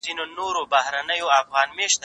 زه اوس لیکل کوم